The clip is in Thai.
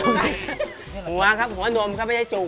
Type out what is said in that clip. หัวครับหัวข้างดวงข้างไม่ได้จุก